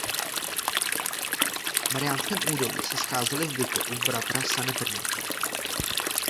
V Mariánském Údolí se scházeli v bytě u bratra Sanetrníka.